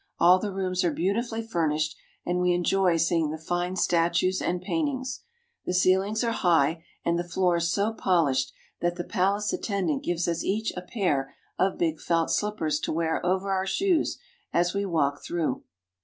All the rooms are beautifully furnished, and we enjoy seeing the fine statues and paint ings. The ceilings are high, and the floors so polished that the palace attendant gives us each a pair of big felt slippers to wear over our shoes as we walk through.